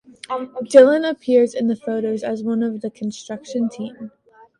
Dylan appears in the photos as one of the construction team.